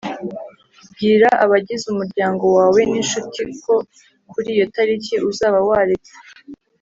Bwira abagize umuryango wawe n incuti ko kuri iyo tariki uzaba waretse